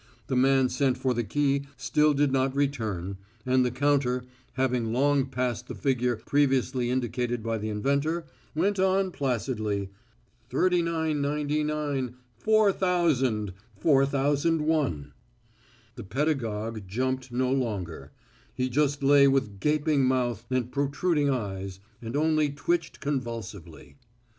The man sent for the key still did not return, and the counter, having long since passed the figure previously indicated by the inventor, went on placidly. 3999, 4000, 4001. The pedagogue jumped no longer. He just lay with gaping mouth and protruding eyes, and only twitched convulsively.